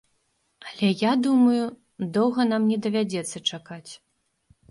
Але я думаю, доўга нам не давядзецца чакаць.